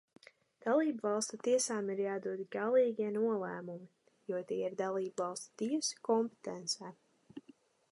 Dalībvalstu tiesām ir jādod galīgie nolēmumi, jo tie ir dalībvalstu tiesu kompetencē.